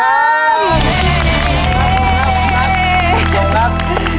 เย่ครับ